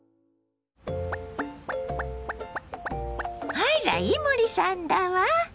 あら伊守さんだわ！